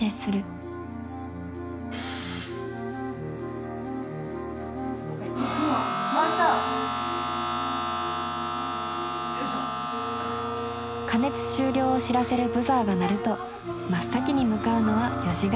加熱終了を知らせるブザーが鳴ると真っ先に向かうのは吉開さん。